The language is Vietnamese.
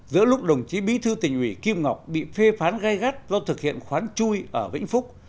giữa lúc đồng chí bí thư tỉnh ủy kim ngọc bị phê phán gai gắt do thực hiện khoán chui ở vĩnh phúc